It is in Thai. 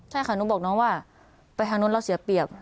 ใช่ค่ะหนูบอกน้องว่าไปทางนู้นเราเสียเปรียบ